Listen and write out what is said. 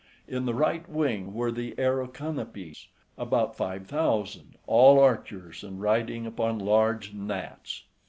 In the right wing were the Aeroconopes, {87a} about five thousand, all archers, and riding upon large gnats.